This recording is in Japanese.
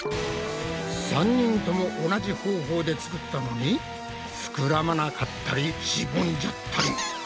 ３人とも同じ方法で作ったのにふくらまなかったりしぼんじゃったり。